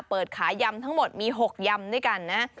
เปิดขายำทั้งหมดมี๖ยำด้วยกันนะ